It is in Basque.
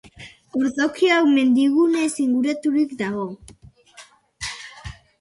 Ordoki hau mendigunez inguraturik dago.